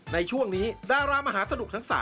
ในช่วงนี้ดารามหาสนุกทั้ง๓